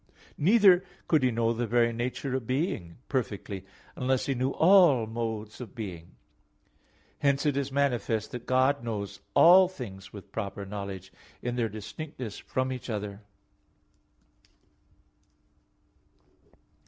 Neither could He know the very nature of being perfectly, unless He knew all modes of being. Hence it is manifest that God knows all things with proper knowledge, in their distinction from each other.